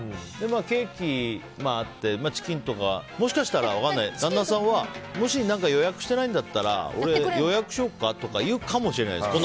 ケーキあって、チキンとかもしかしたら旦那さんはもし予約してないなら俺、予約しようかとか言うかもしれないです